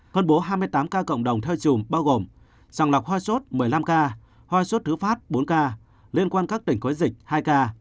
phân bố hai mươi tám ca cộng đồng theo chùm bao gồm chòng lọc hoa sốt một mươi năm ca hoa sốt thứ phát bốn ca liên quan các tỉnh quấy dịch hai ca